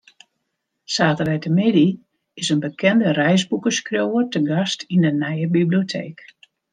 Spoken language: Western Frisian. Saterdeitemiddei is in bekende reisboekeskriuwer te gast yn de nije biblioteek.